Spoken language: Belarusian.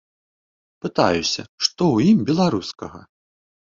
Пытаюся, што ў ім беларускага.